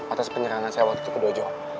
atas penyerangan saya waktu itu ke dojo